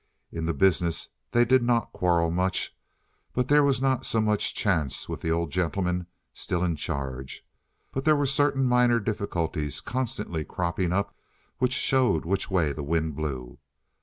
In the business they did not quarrel much—there was not so much chance with the old gentleman still in charge—but there were certain minor differences constantly cropping up which showed which way the wind blew.